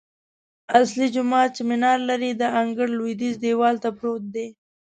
اصلي جومات چې منار لري، د انګړ لویدیځ دیوال ته پروت دی.